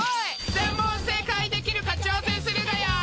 全問正解できるか挑戦するがよい！